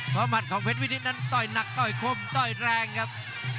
เพราะหมัดของเพชรวินิตนั้นต้อยหนักต้อยคมต้อยแรงครับ